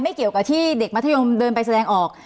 เกี่ยวกับที่เด็กมัธยมเดินไปแสดงออก